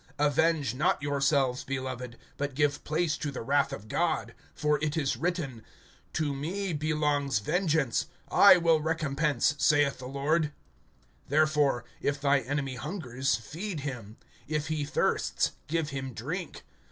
(19)Avenge not yourselves, beloved, but give place to the wrath [of God]. For it is written: To me belongs vengeance; I will recompense, saith the Lord. (20)Therefore, If thy enemy hungers, feed him; If he thirsts, give him drink.